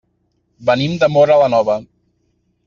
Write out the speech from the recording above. Venim de Móra la Nova.